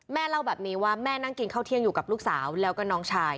เล่าแบบนี้ว่าแม่นั่งกินข้าวเที่ยงอยู่กับลูกสาวแล้วก็น้องชาย